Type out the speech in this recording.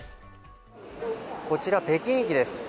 こちら、北京駅です。